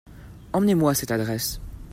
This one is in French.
Emmenez-moi à cette adresse.